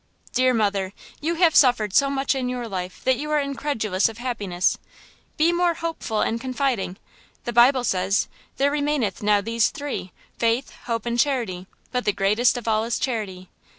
"Dear mother, you have suffered so much in your life that you are incredulous of happiness! Be more hopeful and confiding! The Bible says, 'There remaineth now these three–Faith, Hope and Charity–but the greatest of all is Charity.'